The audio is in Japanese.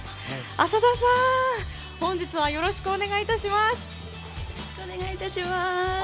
浅田さん、本日はよろしくお願いいたします。